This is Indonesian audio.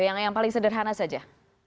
yang paling sederhana saja